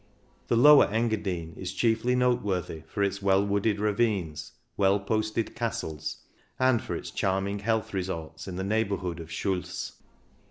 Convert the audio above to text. The Lower Engadine is chiefly noteworthy for its well wooded ravines, well posted castles, and for its charming health resorts in the neighbour hood of Schuls.